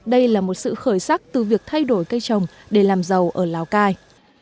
đây là một sự khởi sắc từ việc thay đổi cây trồng để làm giàu ở lào cai